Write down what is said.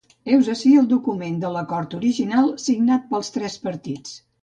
Heus ací el document de l’acord original signat pels tres partits.